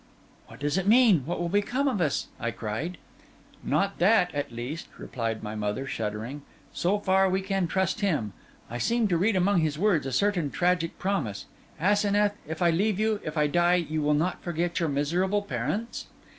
'What does it mean?—what will become of us?' I cried. 'Not that, at least,' replied my mother, shuddering. 'So far we can trust him. I seem to read among his words a certain tragic promise. Asenath, if I leave you, if I die, you will not forget your miserable parents?